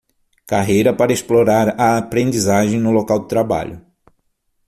Carreira para explorar a aprendizagem no local de trabalho